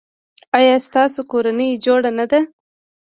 ایا ستاسو کورنۍ جوړه نه ده؟